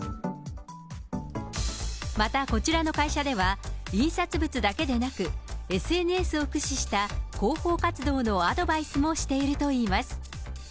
また、こちらの会社では、印刷物だけでなく、ＳＮＳを駆使した広報活動のアドバイスもしているといいます。